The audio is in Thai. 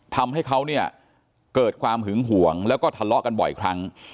ทำให้เขาเนี่ยเกิดความหึงห่วงแล้วก็ทะเลาะกันบ่อยครั้ง